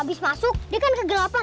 habis masuk dia kan kegelapan